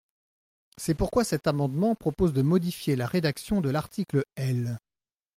C’est pourquoi cet amendement propose de modifier la rédaction de l’article L.